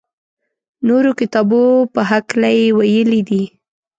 نورو کتابو په هکله یې ویلي دي.